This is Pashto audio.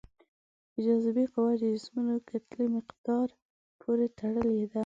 د جاذبې قوه د جسمونو کتلې مقدار پورې تړلې ده.